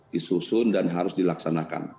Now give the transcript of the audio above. disusun dan harus dilaksanakan